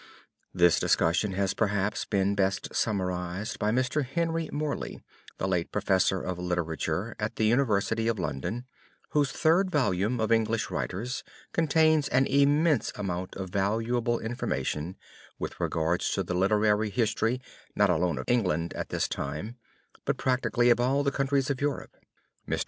This discussion has perhaps been best summarized by Mr. Henry Morley, the late Professor of Literature at the University of London, whose third volume of English writers contains an immense amount of valuable information with regard to the literary history, not alone of England at this time but practically of all the countries of Europe. Mr.